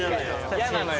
嫌なのよ。